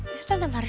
tante mari sekalian